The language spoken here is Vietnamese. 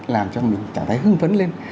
làm cho mình cảm thấy hương phấn lên